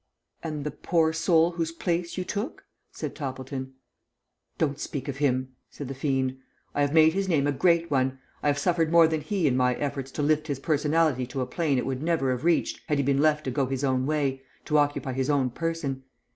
"And the poor soul whose place you took?" said Toppleton. "Don't speak of him," said the fiend. "I have made his name a great one. I have suffered more than he in my efforts to lift his personality to a plane it would never have reached had he been left to go his own way, to occupy his own person.